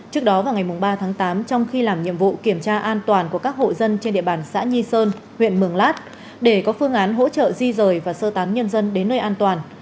trước đó vào ngày ba tháng tám trong khi làm nhiệm vụ kiểm tra an toàn của các hộ dân trên địa bàn xã nhi sơn huyện mường lát để có phương án hỗ trợ di rời và sơ tán nhân dân đến nơi an toàn